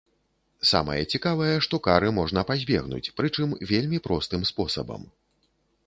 Самае цікавае, што кары можна пазбегнуць, прычым вельмі простым спосабам.